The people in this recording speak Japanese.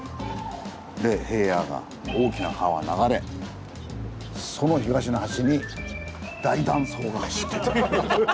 で平野が大きな川が流れその東の端に大断層が走ってて。